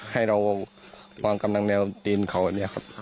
ให้เราวางกำลังแนวตีนเขาอันนี้ครับ